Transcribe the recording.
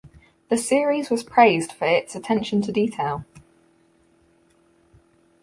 The series was praised for its attention to detail.